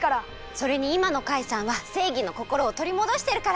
それにいまのカイさんはせいぎのこころをとりもどしてるから！